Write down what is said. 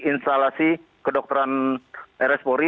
instalasi kedokteran rs